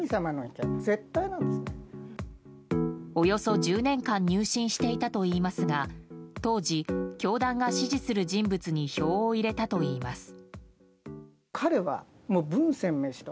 およそ１０年間入信していたといいますが当時、教団が支持する人物に票を入れたといいます。